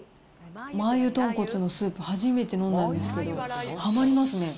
マー油とんこつのスープ、初めて飲んだんですけど、はまりますね